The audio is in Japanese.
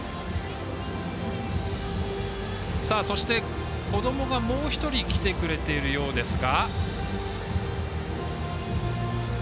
そして、こどもが、もう１人来てくれているようですが。